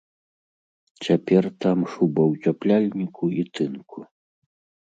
Цяпер там шуба ўцяпляльніку і тынку.